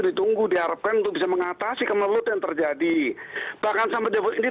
yang tunggu diharapkan untuk bisa mengatasi kemelut yang terjadi bahkan sampai jauh ini